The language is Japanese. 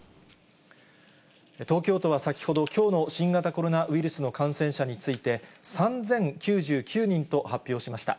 東京都は先ほど、きょうの新型コロナウイルスの感染者について、３０９９人と発表しました。